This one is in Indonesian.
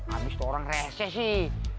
abis tuh orang rese sih